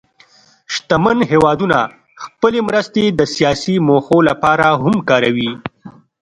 شتمن هېوادونه خپلې مرستې د سیاسي موخو لپاره هم کاروي.